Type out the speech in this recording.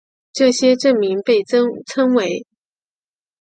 这些证明被称为。